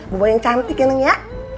bobo yang cantik ya neng ya